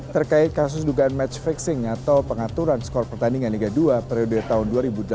terkait kasus dugaan match fixing atau pengaturan skor pertandingan liga dua periode tahun dua ribu delapan belas dua ribu dua